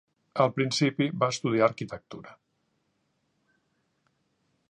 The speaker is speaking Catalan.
Al principi va estudiar arquitectura.